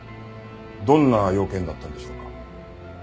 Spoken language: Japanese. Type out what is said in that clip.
どんな用件だったんでしょうか？